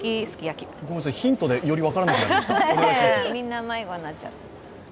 ヒントで、より分からなくなりました。